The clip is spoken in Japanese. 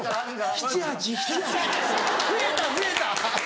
７８？増えた増えた。